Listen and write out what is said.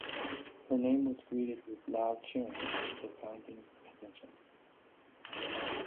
Her name was greeted with "loud cheering" at the founding convention.